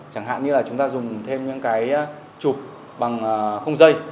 chẳng hạn như là chúng ta dùng thêm những cái chụp bằng không dây